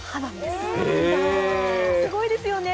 すごいですよね。